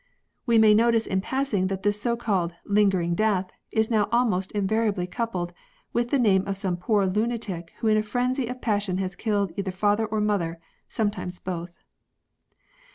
"We may notice in passing that this so called " lingering death " is now almost invariably coupled with the name of some poor lunatic who in a frenzy of passion has killed either father or mother, some times both.